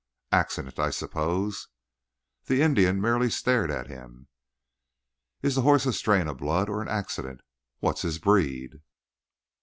"Accident, I suppose?" The Indian merely stared at him. "Is the horse a strain of blood or an accident? What's his breed?"